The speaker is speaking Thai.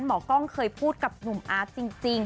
หมอกล้องเคยพูดกับหนุ่มอาร์ตจริง